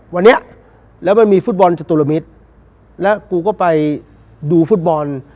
วันนี้แล้วมันมีฟุตบอลจตุลมิตรแล้วกูก็ไปดูฟุตบอล